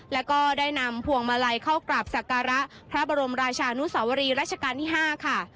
แล้วก็ได้นำพวงมาลัยเข้ากราบศักระพระบรมราชานุสาวรีรัชกาลที่๕ค่ะ